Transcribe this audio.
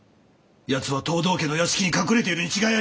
奴は藤堂家の屋敷に隠れているに違いありません。